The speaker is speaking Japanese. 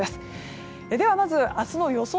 では、まず明日の予想